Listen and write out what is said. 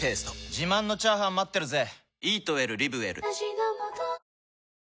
自慢のチャーハン待ってるぜ！